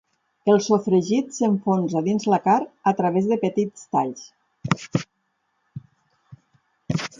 El sofregit s'enfonsa dins la carn a través de petits talls.